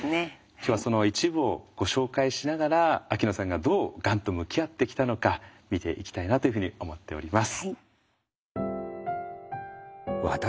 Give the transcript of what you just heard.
今日はその一部をご紹介しながら秋野さんがどうがんと向き合ってきたのか見ていきたいなというふうに思っております。